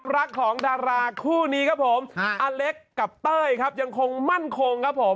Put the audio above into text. รักของดาราคู่นี้ครับผมอเล็กกับเต้ยครับยังคงมั่นคงครับผม